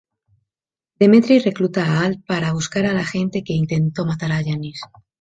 Demetri recluta a Al para buscar a la gente que intentó matar a Janis.